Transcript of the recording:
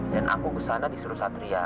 dan aku kesana disuruh satria